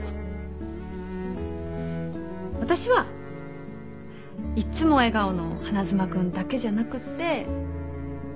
私はいつも笑顔の花妻君だけじゃなくって悔しがってる